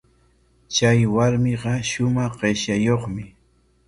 Chay warmiqa shumaq qipshayuqmi.